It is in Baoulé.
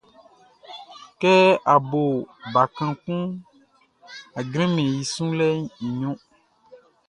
Kɛ a bo bakan kunʼn, a jranmɛn i sunlɛʼn i ɲrun.